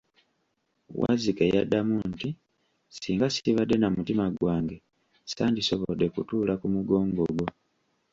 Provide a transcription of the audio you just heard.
Wazzike yaddamu nti, singa sibadde na mutima gwange ssandisobodde kutuula ku mugongo gwo.